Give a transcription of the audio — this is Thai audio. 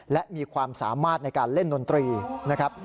และมีความสามารถในการเล่นดนตรีนะครับ